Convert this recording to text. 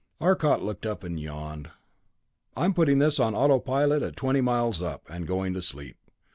Arcot looked up and yawned. "I'm putting this on autopilot at twenty miles up, and going to sleep.